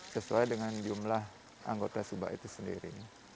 sesuai dengan jumlah anggota subak itu sendiri